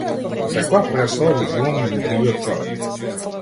Во секоја претстава го глумам невидливиот човек!